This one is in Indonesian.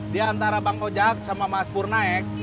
di antara bang koja sama mas purnaek